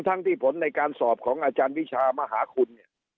ทั้งที่ผลในการสอบของอาจารย์วิชามหาคุณ